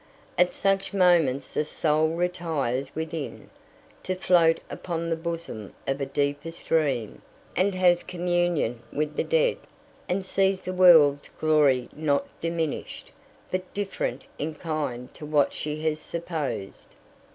At such moments the soul retires within, to float upon the bosom of a deeper stream, and has communion with the dead, and sees the world's glory not diminished, but different in kind to what she has supposed.